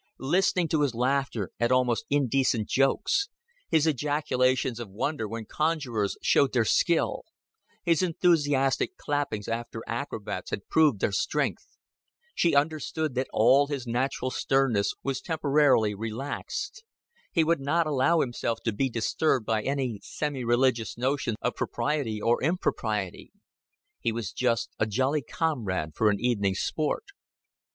Listening to his laughter at almost indecent jokes, his ejaculations of wonder when conjurers showed their skill, his enthusiastic clappings after acrobats had proved their strength, she understood that all his natural sternness was temporarily relaxed; he would not allow himself to be disturbed by any semi religious notions of propriety or impropriety; he was just a jolly comrade for an evening's sport.